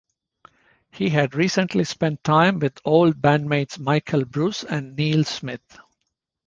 He had recently spent time with old bandmates Michael Bruce and Neal Smith.